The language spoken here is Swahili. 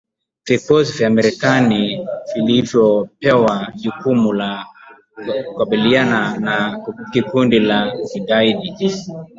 Vikosi vya Marekani vilivyopewa jukumu la kukabiliana na kundi la kigaidi